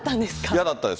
嫌だったんです。